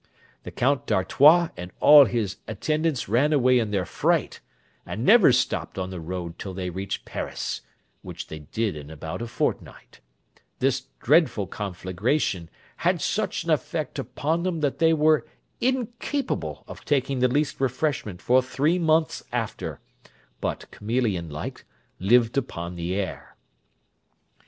The Count d'Artois and all his attendants ran away in their fright, and never stopped on the road till they reached Paris, which they did in about a fortnight; this dreadful conflagration had such an effect upon them that they were incapable of taking the least refreshment for three months after, but, chameleon like, lived upon the air.